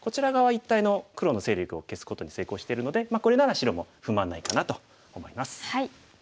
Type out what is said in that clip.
一帯の黒の勢力を消すことに成功してるのでこれなら白も不満ないかなと思います。